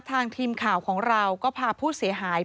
ทางทีมข่าวของเราก็พาผู้เสียหาย